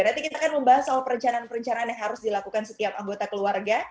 nanti kita akan membahas soal perencanaan perencanaan yang harus dilakukan setiap anggota keluarga